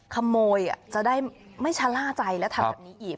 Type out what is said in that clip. ขโมยจะได้ไม่ชะล่าใจและทำแบบนี้อีก